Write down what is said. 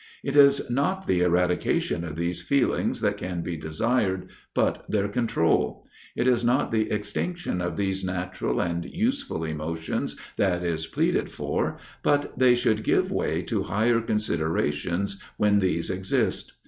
It is not the eradication of these feelings that can be desired, but their control: it is not the extinction of these natural and useful emotions that is pleaded for, but they should give way to higher considerations when these exist.